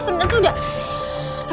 sebenarnya tante udah